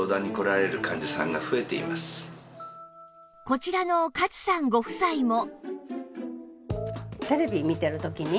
こちらの勝さんご夫妻も